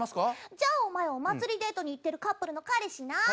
じゃあお前お祭りデートに行ってるカップルの彼氏な。